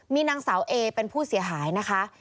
มีนางสาวเอเป็นผู้เสียหายนะคะ